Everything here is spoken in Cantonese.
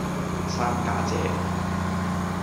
三家姐